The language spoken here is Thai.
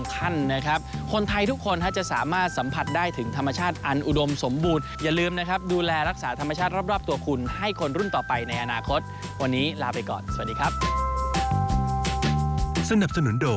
วันนี้ลาไปก่อนสวัสดีครับ